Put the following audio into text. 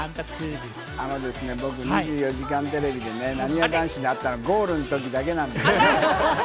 僕『２４時間テレビ』でね、なにわ男子と会ったのゴールのときだけなんですよ。